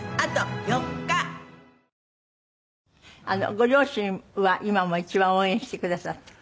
ご両親は今も一番応援してくださってる？